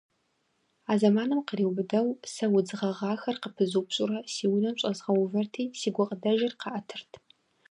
А зэманым къриубыдэу сэ удз гъэгъахэр къыпызупщӀурэ си унэм щӀэзгъэувэрти, си гукъыдэжыр къаӀэтырт.